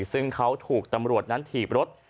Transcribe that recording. ซึ่งเขาถูกตำรวจนั้นถีบรถ